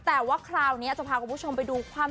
แต่ว่าคราวนี้จะพาคุณผู้ชมไปดูความ